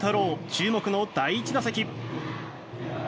注目の第１打席。